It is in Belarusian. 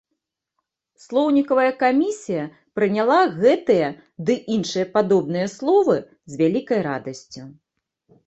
Слоўнікавая камісія прыняла гэтае ды іншыя падобныя словы з вялікай радасцю.